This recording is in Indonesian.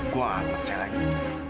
gue gak percaya lagi